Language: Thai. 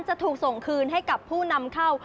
จะถูกส่งคืนให้กับผู้นำเข้า